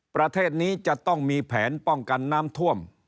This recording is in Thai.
ประเทศนี้จะต้องมีแผนป้องกันน้ำท่วม